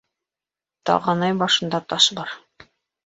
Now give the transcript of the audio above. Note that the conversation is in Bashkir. Тағанайбашында таш бар.